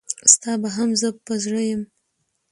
ستا به هم زه په زړه یم.